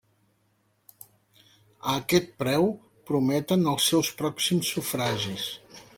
A aquest preu, prometen els seus pròxims sufragis.